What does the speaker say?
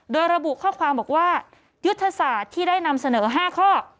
โดยระบุข้อความบอกว่ายุทธศาสตร์ที่ได้นำเสนอ๕ข้อ